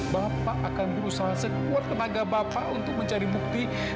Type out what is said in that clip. bapak akan berusaha sekuat tenaga bapak untuk mencari bukti